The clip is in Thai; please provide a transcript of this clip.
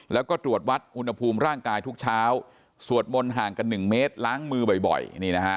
แล้วก็ตรวจวัดอุณหภูมิร่างกายทุกเช้าสวดมนต์ห่างกัน๑เมตรล้างมือบ่อย